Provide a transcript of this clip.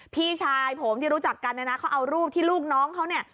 พี่ชายผมที่รู้จักกันเนี่ยนะเขาเอารูปที่ลูกน้องเขาเนี่ย